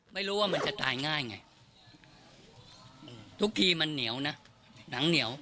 ไม่รู้ว่ามันจะตายง่ายไงทุกทีมันเหนียวนะหนังเหนียว